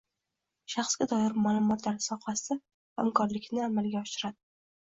shaxsga doir ma’lumotlar sohasida hamkorlikni amalga oshiradi.